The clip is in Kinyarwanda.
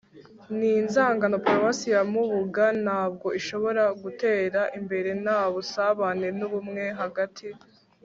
n'inzangano. paruwasi ya mubuga ntabwo ishobora gutera imbere nta busabane n'ubumwe hagati